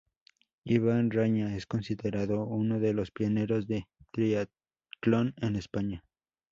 Iván Raña es considerado uno de los pioneros del triatlón en España.